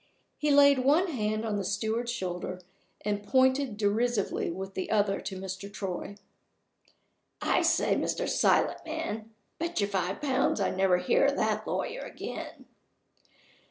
He laid one hand on the steward's shoulder, and pointed derisively with the other to Mr. Troy. "I say, Mr. Silent man! Bet you five pounds I never hear of that lawyer again!"